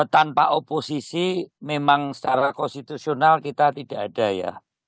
tanpa oposisi memang secara konstitusional kita tidak ada ya